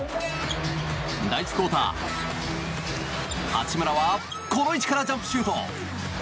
第１クオーター、八村はこの位置からジャンプシュート。